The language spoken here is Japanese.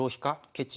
ケチ？